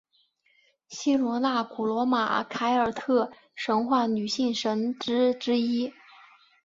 希罗纳古罗马凯尔特神话女性神只之一。